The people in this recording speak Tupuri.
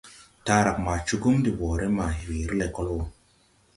Taarag ma cugum de wɔɔre ma weere lɛkɔl wɔ.